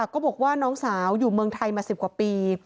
ก็บอกว่าน้องสาวอยู่เมืองไทยมา๑๐กว่าปี